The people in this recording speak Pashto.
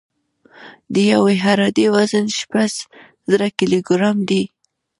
د یوې عرادې وزن شپږ زره کیلوګرام دی